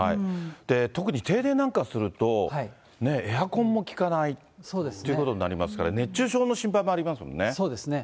特に停電なんかすると、エアコンも効かないということになりますから、熱中症の心配もあそうですね。